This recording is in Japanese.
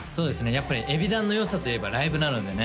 やっぱりＥＢｉＤＡＮのよさといえばライブなのでね